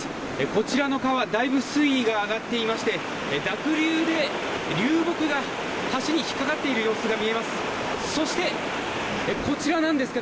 こちらの川だいぶ水位が上がっていまして濁流で流木が橋に引っかかっている様子が見えます。